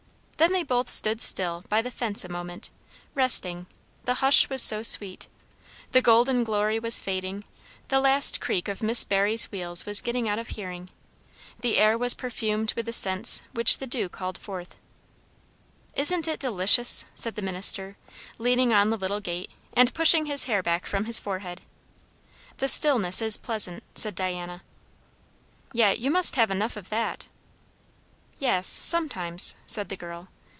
Then they both stood still by the fence a moment, resting; the hush was so sweet. The golden glory was fading; the last creak of Miss Barry's wheels was getting out of hearing; the air was perfumed with the scents which the dew called forth. "Isn't it delicious?" said the minister, leaning on the little gate, and pushing his hair back from his forehead. "The stillness is pleasant," said Diana. "Yet you must have enough of that?" "Yes sometimes," said the girl.